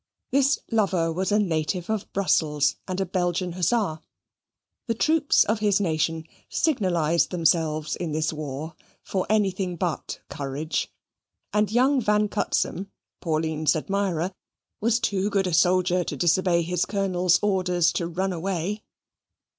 This lover was a native of Brussels, and a Belgian hussar. The troops of his nation signalised themselves in this war for anything but courage, and young Van Cutsum, Pauline's admirer, was too good a soldier to disobey his Colonel's orders to run away.